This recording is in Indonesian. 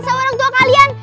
sama orang tua kalian